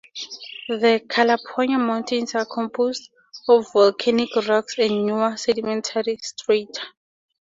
The Calapooya Mountains are composed of volcanic rocks and newer sedimentary strata.